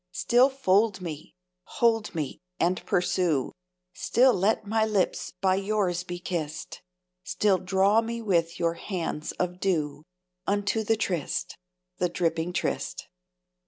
Still fold me, hold me, and pursue! Still let my lips by yours be kissed! Still draw me with your hands of dew Unto the tryst, the dripping tryst.